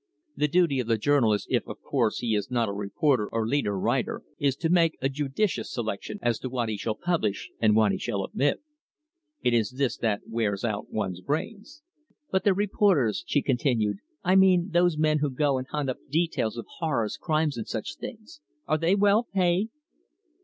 The duty of the journalist, if, of course, he is not a reporter or leader writer, is to make a judicious selection as to what he shall publish and what he shall omit. It is this that wears out one's brains." "But the reporters," she continued "I mean those men who go and hunt up details of horrors, crimes and such things are they well paid?"